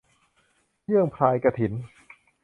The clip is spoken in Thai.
เยื้องพรายกฐิน